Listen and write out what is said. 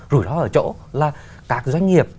rủi ro ở chỗ là các doanh nghiệp